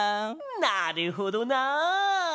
なるほどなあ。